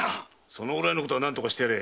そのぐらい何とかしてやれ。